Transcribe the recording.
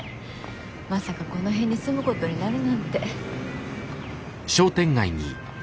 まさかこの辺に住むことになるなんて。